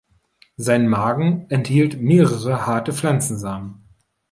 Sein Magen enthielt mehrere harte Pflanzensamen.